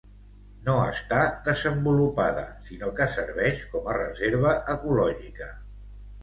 No està desenvolupada, sinó que serveix com a reserva ecològica.